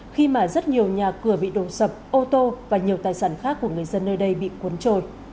khi mà rất nhiều nhà cửa bị đổ sập ô tô và nhiều tài sản khác của người dân nơi đây bị cuốn trôi